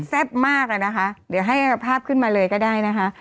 แซ่บมากอะนะคะเดี๋ยวให้ภาพขึ้นมาเลยก็ได้นะคะ